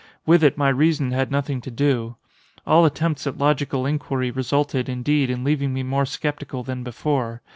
With it my reason had nothing to do. All attempts at logical inquiry resulted, indeed, in leaving me more sceptical than before.